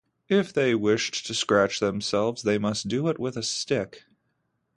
If they wished to scratch themselves, they must do it with a stick.